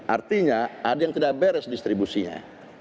artinya ada yang tidak beres distribusinya